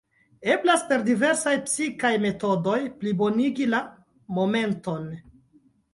Eblas per diversaj psikaj metodoj "plibonigi la momenton".